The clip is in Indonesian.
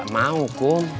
tidak mau kum